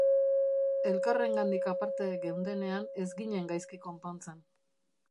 Elkarrengandik aparte geundenean ez ginen gaizki konpontzen.